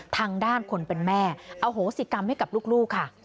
ทางด้านคนเป็นแม่อโหสิกรรมให้กับลูกค่ะ